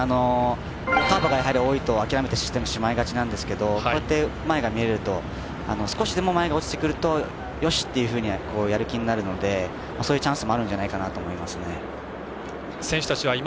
カーブが多いと諦めてしまいがちなんですけどこうやって前が見えると少しでも前が落ちてくるとよしとやる気になるのでそういうチャンスもあるんじゃないかなと思います。